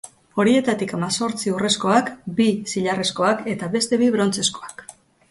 Horietatik hamazortzi urrezkoak, bi zilarrezkoak eta beste bi, brontzezkoak.